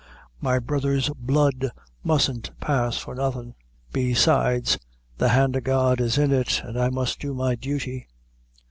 My brother's blood mustn't pass for nothin'. Besides, the hand o' God is in it, an' I must do my duty."